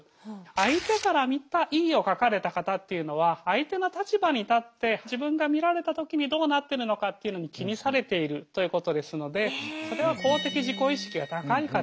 相手から見たＥを書かれた方というのは相手の立場に立って自分が見られた時にどうなってるのかっていうのに気にされているということですのでそれは公的自己意識が高い方。